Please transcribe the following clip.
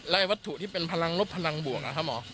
ไอ้วัตถุที่เป็นพลังลบพลังบวกนะครับหมอ